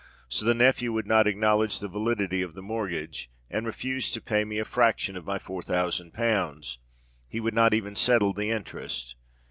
So the nephew would not acknowledge the validity of the mortgage, and refused to pay me a fraction of my four thousand pounds. He would not even settle the interest.